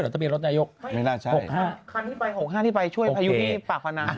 คันที่ไป๖๕ที่ไปช่วยพายุที่ปากฟ้านา